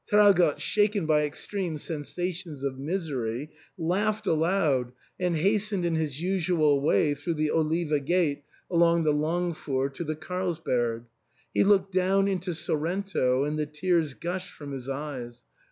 Traugott, shaken by extreme sensations of misery, laughed aloud and hastened in his usual way through theOliva Gate along the Langfuhr* to the Carlsberg. He looked down into Sorrento, and the tears gushed from his eyes.